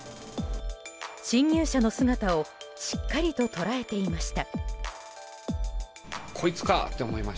侵入者の姿をしっかりと捉えていました。